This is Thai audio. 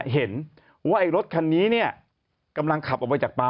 เห็นว่ารถคันนี้กำลังขับออกไปจากปลา